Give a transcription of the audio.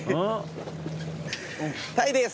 タイです。